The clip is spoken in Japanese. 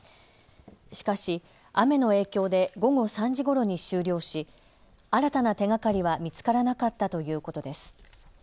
しかし雨の影響で午後３時ごろに終了し新たな手がかりは見つからなかったということです。